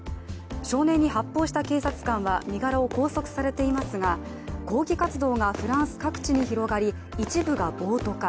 少年に発砲した警察官は身柄を拘束されていますが抗議活動がフランス各地に広がり一部が暴徒化。